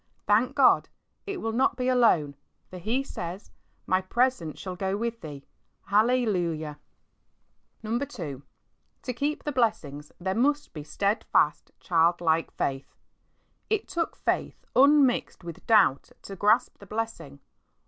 thank God, it will not be alone, for He says, " My presence shall go with thee." Hallelujah ! II. To keep the blessings there must be steadfast^ childlike faith. It took faith unmixed with doubt to grasp the blessing.